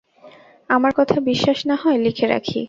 আমার কথা বিশ্বাস না-হয়, লিখে রাখি।